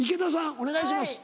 お願いします。